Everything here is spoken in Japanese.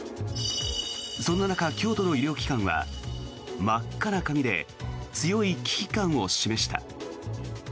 そんな中、京都の医療機関は真っ赤な紙で強い危機感を示した。